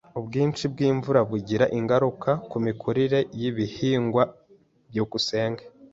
Ubwinshi bwimvura bugira ingaruka kumikurire yibihingwa? byukusenge